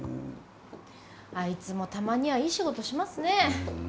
あいつもたまにはいい仕事しますね。